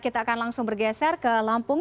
kita akan langsung bergeser ke lampung